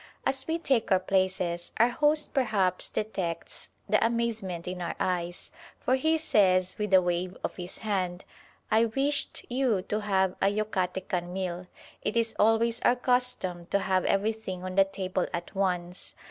As we take our places, our host perhaps detects the amazement in our eyes, for he says with a wave of his hand, "I wished you to have a Yucatecan meal. It is always our custom to have everything on the table at once."